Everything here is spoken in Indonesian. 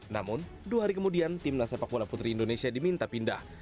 namun dua hari kemudian tim nas sepak bola putri indonesia diminta pindah